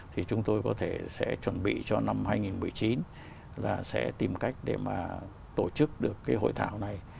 thì chúng tôi có thể sẽ chuẩn bị cho năm hai nghìn một mươi chín là sẽ tìm cách để mà tổ chức được cái hội thảo này